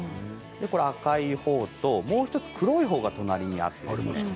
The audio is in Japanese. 赤いほうともう１つ黒いのが隣にあります。